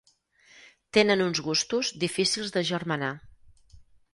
Tenen uns gustos difícils d'agermanar.